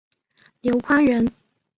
刘宽人。